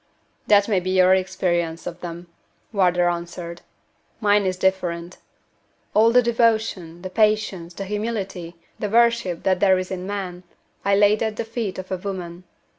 "That may be your experience of them," Wardour answered; "mine is different. All the devotion, the patience, the humility, the worship that there is in man, I laid at the feet of a woman.